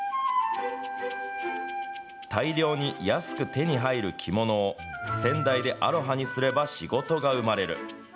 大量に安く手に入る着物を、仙台でアロハにすれば仕事が生まれる。